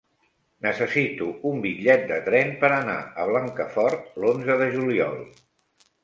Necessito un bitllet de tren per anar a Blancafort l'onze de juliol.